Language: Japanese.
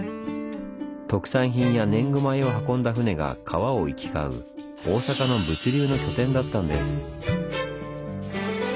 特産品や年貢米を運んだ船が川を行き交う大阪の「物流の拠点」だったんです。